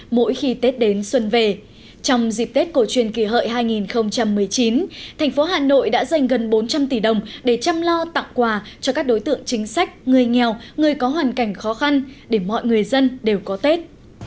vì tết cổ truyền kỳ hợi hai nghìn một mươi chín thành phố hà nội đã dành gần bốn trăm linh tỷ đồng để chăm lo tặng quà cho các đối tượng chính sách người nghèo người có hoàn cảnh khó khăn để mọi người dân đều có tết